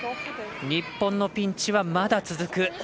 日本のピンチはまだ続く。